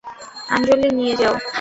আঞ্জলি নিয়ে নাও।